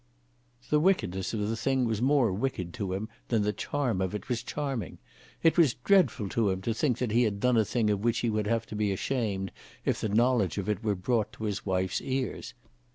The wickedness of the thing was more wicked to him than the charm of it was charming. It was dreadful to him to think that he had done a thing of which he would have to be ashamed if the knowledge of it were brought to his wife's ears.